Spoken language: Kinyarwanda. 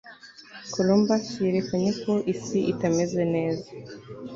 Columbus yerekanye ko isi itameze neza